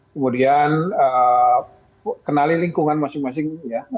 kemudian kenali lingkungan masing masing ya